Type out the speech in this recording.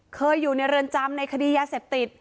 เคยอยู่ในเรือนจำในคดียาเสพติด